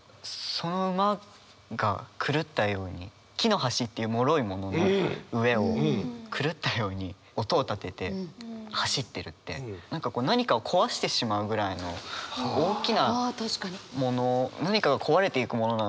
その馬が狂ったように木の橋っていうもろいものの上を狂ったように音を立てて走ってるって何かを壊してしまうぐらいの大きなもの。